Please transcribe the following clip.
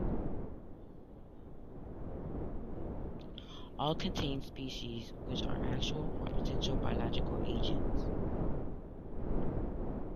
All contain species which are actual or potential biological agents.